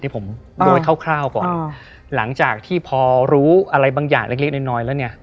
ผมโดยคร่าวก่อนหลังจากที่พอรู้อะไรบางอย่างเล็กเล็กน้อยแล้วเนี่ย